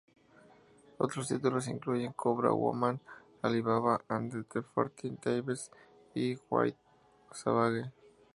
Otros títulos incluyen Cobra Woman, Ali Baba and the Forty Thieves y White Savage.